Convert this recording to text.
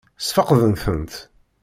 Ssfeqdent-tent?